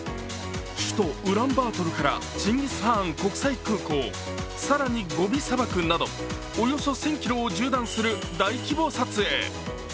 首都ウランバートルからチンギスハーン国際空港、更にゴビ砂漠などおよそ１０００ｋｍを縦断する大規模撮影。